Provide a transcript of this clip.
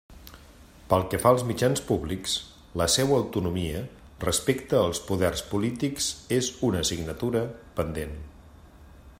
Pel que fa als mitjans públics, la seua autonomia respecte als poders polítics és una assignatura pendent.